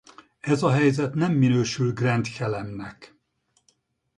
Ez a helyzet nem minősül Grand Chelemnek.